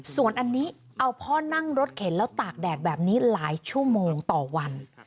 ส่วนอันนี้เอาพ่อนั่งรถเข็นแล้วตากแดดแบบนี้หลายชั่วโมงต่อวัน